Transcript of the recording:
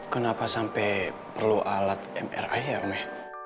kenapa sampai perlu alat mri ya om ya